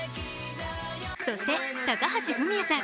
そして、高橋文哉さん